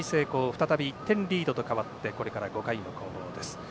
再び１点リードと変わってこれから５回の攻防です。